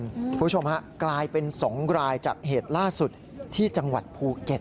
คุณผู้ชมฮะกลายเป็น๒รายจากเหตุล่าสุดที่จังหวัดภูเก็ต